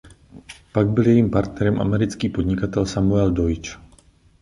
Pak byl jejím partnerem americký podnikatel Samuel Deutsch.